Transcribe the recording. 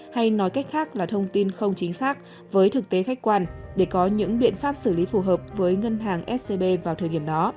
hay nói cách khác là thông tin không chính xác với thực tế khách quan để có những biện pháp xử lý phù hợp với ngân hàng scb vào thời điểm đó